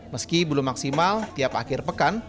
meski belum maksimal tiap akhir pekan